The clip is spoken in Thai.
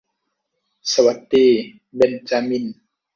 สวัสดีเบ็นจามิน